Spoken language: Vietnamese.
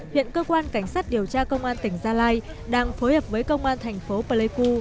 hiện cơ quan cảnh sát điều tra công an tỉnh gia lai đang phối hợp với công an thành phố pleiku